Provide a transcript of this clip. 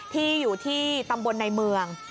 ที่อยู่ที่ตำบลในเมือง